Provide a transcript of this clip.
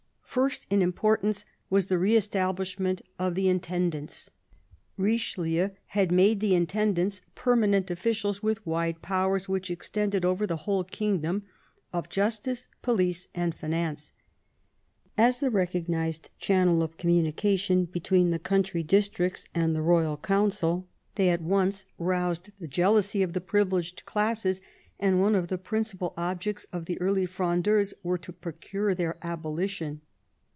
First in importance was the re establishrae intendants. Kichelieu had made the intendan nent officials with wide powers, which extcj the whole kingdom, of justice, police, and fir the recognised channel of communication h country districts and the royal Council, tl roused the jealousy of the privileged classc: the pnncipal objects of the early Frondeur cure their abolition.